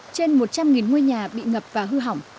trên một trăm linh ngôi nhà bị ngập và hư hỏng